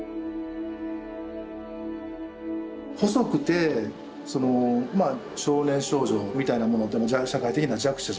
細くてその少年少女みたいなものっていうのは社会的な弱者じゃないですか。